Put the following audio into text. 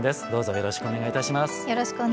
よろしくお願いします。